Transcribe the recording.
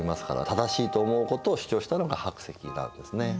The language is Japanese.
正しいと思うことを主張したのが白石なんですね。